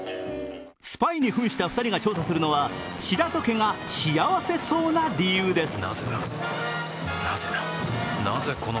スパイにふんした２人が調査するのは白戸家が幸せそうな理由です。